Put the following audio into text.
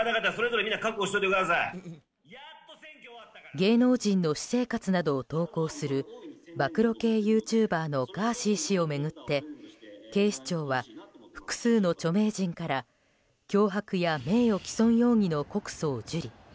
芸能人の私生活などを投稿する暴露系ユーチューバーのガーシー氏を巡って警視庁は複数の著名人から脅迫や名誉棄損容疑の告訴を受理。